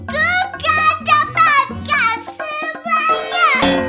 ku gak dapatkan semuanya